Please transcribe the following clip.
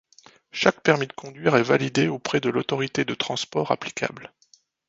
Chaque permis de conduire est validé auprès de l’autorité de transport applicable.